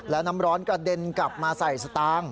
แล้วน้ำร้อนกระเด็นกลับมาใส่สตางค์